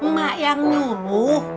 mak yang nyubuh